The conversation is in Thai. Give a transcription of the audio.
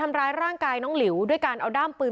ในอำเภอศรีมหาโพธิ์จังหวัดปลาจีนบุรี